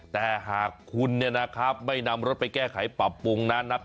แต่หากคุณเนี่ยนะครับไม่นำรถไปแก้ไขปรับปรุงนั้นนะ